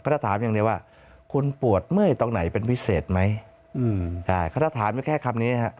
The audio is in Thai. ถ้าถามอย่างเดียวว่าคุณปวดเมื่อยต้องไหนเป็นพิเศษไหม